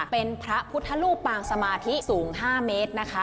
เป็นพระพุทธรูปปางสมาธิสูง๕เมตรนะคะ